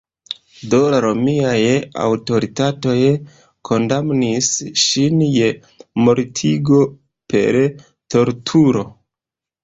Do la romiaj aŭtoritatoj kondamnis ŝin je mortigo per torturo.